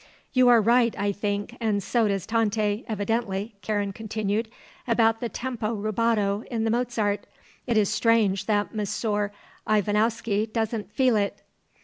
"You are right, I think, and so does Tante, evidently," Karen continued, "about the tempo rubato in the Mozart. It is strange that Monsieur Ivanowski doesn't feel it."